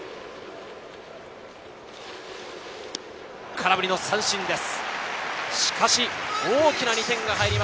空振り三振です。